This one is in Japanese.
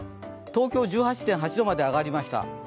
東京１８．８度まで上がりました。